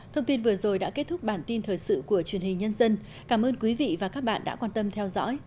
thông tin vừa rồi đã kết thúc bản tin thời sự của truyền hình nhân dân cảm ơn quý vị và các bạn đã quan tâm theo dõi